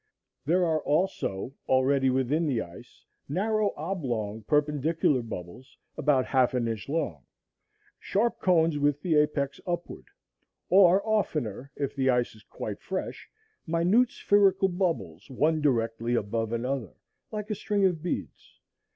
There are also already within the ice narrow oblong perpendicular bubbles about half an inch long, sharp cones with the apex upward; or oftener, if the ice is quite fresh, minute spherical bubbles one directly above another, like a string of beads.